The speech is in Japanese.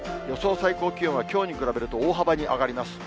最高気温は、きょうに比べると大幅に上がります。